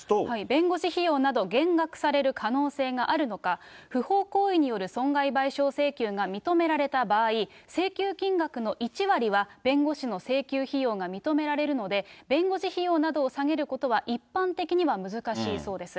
弁護士費用など減額される可能性があるのか、不法行為による損害賠償請求が認められた場合、請求金額の１割は、弁護士の請求費用が認められるので、弁護士費用などを下げることは、一般的には難しいそうです。